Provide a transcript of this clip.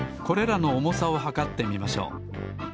これらのおもさをはかってみましょう。